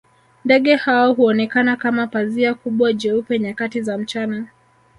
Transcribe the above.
Ndege hao huonekana kama pazia kubwa jeupe nyakati za mchana